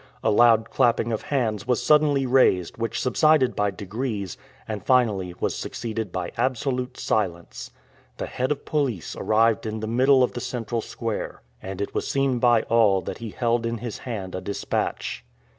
A loud clapping of hands was suddenly raised, which subsided by degrees, and finally was succeeded by absolute silence. The head of police arrived in the middle of the central square, and it was seen by all that he held in his hand a dispatch.